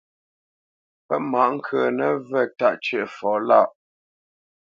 Pə́ mǎʼ ŋkə̌ nəvə̂ tâʼ cə̂ʼfɔ lâʼ.